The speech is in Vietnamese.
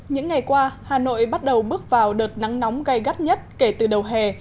những ngày qua hà nội bắt đầu bước vào đợt nắng nóng gây gắt nhất kể từ đầu hè